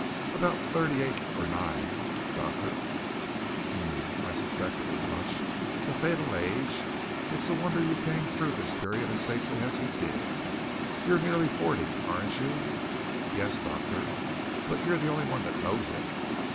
"About thirty eight or nine, doctor." "Um! I suspected as much. The fatal age. It's a wonder you came through that period as safely as you did. You're nearly forty, aren't you?" "Yes, doctor, but you're the only one that knows it."